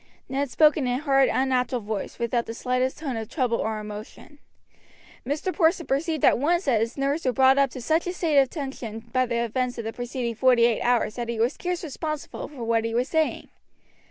Ned spoke in a hard unnatural voice, without the slightest tone of trouble or emotion. Mr. Porson perceived at once that his nerves were brought up to such a state of tension by the events of the preceding forty eight hours that he was scarce responsible for what he was saying.